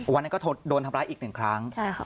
วันนั้นก็โดนทำร้ายอีกหนึ่งครั้ง